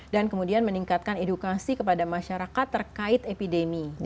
dan kemudian meningkatkan edukasi kepada masyarakat terkait epidemi